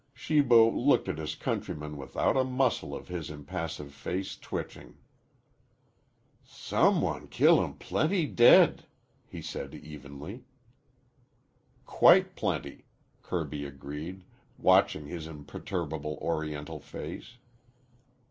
Shibo looked at his countryman without a muscle of his impassive face twitching. "Some one killum plenty dead," he said evenly. "Quite plenty," Kirby agreed, watching his imperturbable Oriental face.